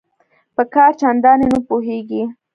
په کار چنداني نه پوهیږي